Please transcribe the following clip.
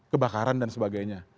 kebakaran dan sebagainya